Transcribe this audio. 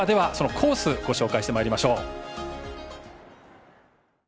コースご紹介してまいりましょう。